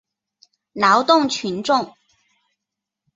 劳动群众。